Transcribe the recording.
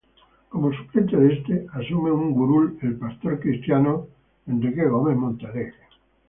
Como suplente de este, asume una curul el pastor cristiano Enrique Gómez Montealegre.